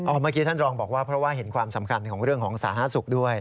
เมื่อกี้ท่านรองบอกว่าเพราะว่าเห็นความสำคัญของเรื่องของสาธารณสุขด้วย